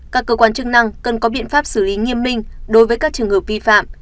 các cơ quan chức năng cần có biện pháp xử lý nghiêm minh đối với các trường hợp vi phạm